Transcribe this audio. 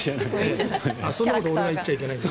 そんなこと俺が言っちゃいけないんだ。